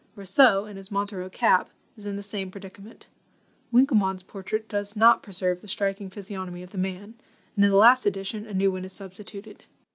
Rousseau, in his Montero cap, is in the same predicament. Winkelmann's portrait does not preserve the striking physiognomy of the man, and in the last edition a new one is substituted.